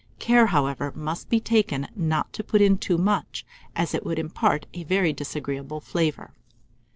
Care, however, must be taken not to put in too much, as it would impart a very disagreeable flavour.